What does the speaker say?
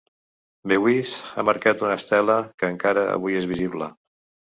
Beuys ha marcat una estela que encara avui és visible.